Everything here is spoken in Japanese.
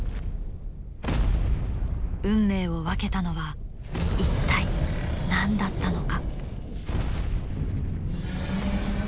運命を分けたのは一体何だったのか？